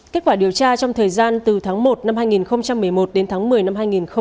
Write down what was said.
kết quả điều tra trong thời gian từ tháng một năm hai nghìn một mươi một đến tháng một mươi năm hai nghìn một mươi tám